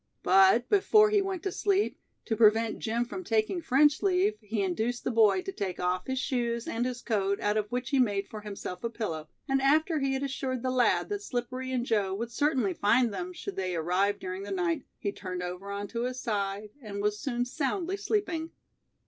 But before he went to sleep, to prevent Jim from taking French leave, he induced the boy to take off his shoes and his coat out of which he made for himself a pillow, and after he had assured the lad that Slippery and Joe would certainly find them should they arrive during the night, he turned over on to his side and was soon soundly sleeping.